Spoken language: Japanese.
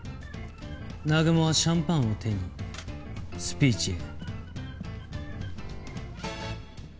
南雲はシャンパンを手にスピーチへ。